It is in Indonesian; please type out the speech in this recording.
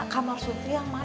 kamar surti yang mana